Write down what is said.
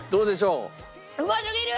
うますぎる！